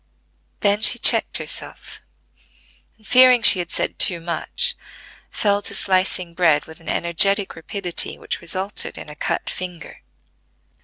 Then she checked herself, and, fearing she had said too much, fell to slicing bread with an energetic rapidity which resulted in a cut finger.